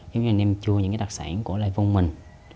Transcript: giống như là nêm chua những cái đặc sản của lai vương mình